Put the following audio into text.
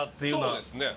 そうですね。